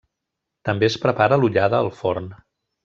També es prepara l'ollada al forn.